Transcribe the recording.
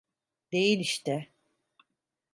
Değil işte.